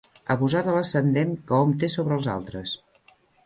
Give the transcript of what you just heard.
Abusar de l'ascendent que hom té sobre els altres.